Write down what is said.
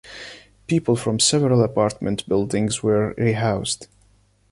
People from several apartment buildings were rehoused.